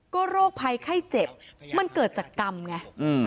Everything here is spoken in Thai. ก็โรคภัยไข้เจ็บมันเกิดจากกรรมไง